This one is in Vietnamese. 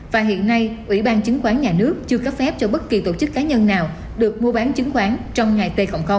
và hiện nay ủy ban chứng khoán nhà nước chưa cấp phép cho bất kỳ tổ chức cá nhân nào được mua bán chứng khoán trong ngày t